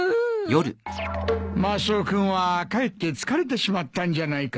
マスオ君はかえって疲れてしまったんじゃないか？